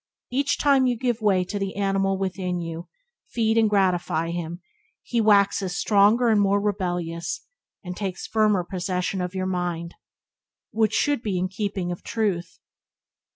Each time you give way to the animal within you, and feed and gratify him, he waxes stronger and more rebellious, and takes firmer possession of your mind, which should be in the keeping of Truth.